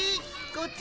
こっち！